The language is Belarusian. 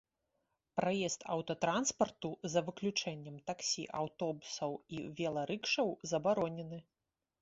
Праезд аўтатранспарту за выключэннем таксі, аўтобусаў і веларыкшаў забаронены.